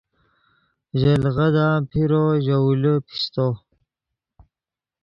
ژے لیغدان پیرو ژے اولے پیستو